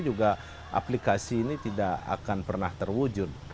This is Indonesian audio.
juga aplikasi ini tidak akan pernah terwujud